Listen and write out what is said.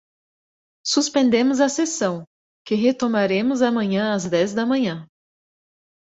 Suspendemos a sessão, que retomaremos amanhã às dez da manhã.